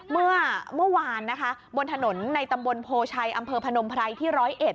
เมื่อวานนะคะบนถนนในตำบลโพชัยอำเภอพนมไพรที่๑๐๑